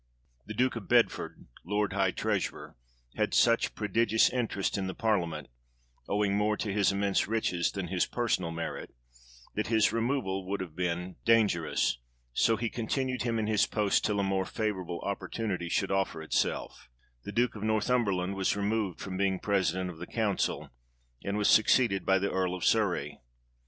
The Duke of Bedford, Lord High Treasurer, had such prodigious interest in the parliament, owing more to his immense riches than his personal merit, that his removal would have been 1 He ascended the throne the i6th of February, 1900. 6 THE REIGN OF GEORGE VI. dangerous, so he continued him in his post till a more favourable opportunity should offer itself. The Duke of Northumberland was removed from being president of the council, and was succeeded by the Earl of Surrey.